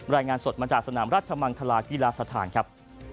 รายงานสดมาจากสนามราชมังคลากีฬาสถานครับ